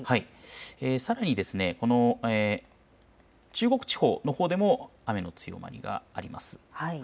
さらに中国地方のほうでも雨の強まりがあります。